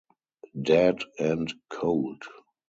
Dead and cold.